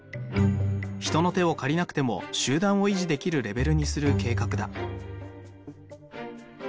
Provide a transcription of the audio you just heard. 人の手を借りなくても集団を維持できるレベルにする計画だ。